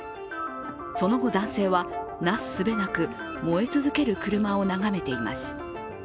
その後、男性はなすすべなく燃え続ける車を眺めています。